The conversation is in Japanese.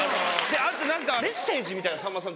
あと何かメッセージみたいなのさんまさん